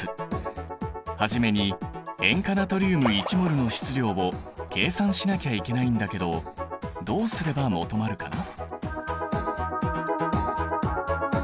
初めに塩化ナトリウム１ｍｏｌの質量を計算しなきゃいけないんだけどどうすれば求まるかな？